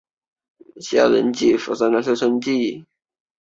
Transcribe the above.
但是叶公陵园在建造中也存在拖欠农民工工资问题。